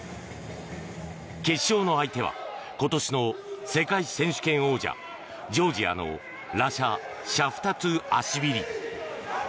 決勝の相手は今年の世界選手権王者ジョージアのラシャ・シャフダトゥアシビリ。